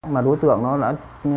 mà đối tượng